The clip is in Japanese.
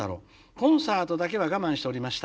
「コンサートだけは我慢しておりました」。